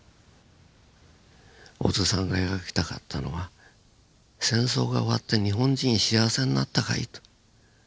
小津さんが描きたかったのは「戦争が終わって日本人幸せになったかい？」と。